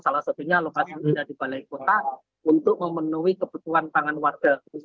salah satunya lokasi ada di balai kota untuk memenuhi kebutuhan pangan warga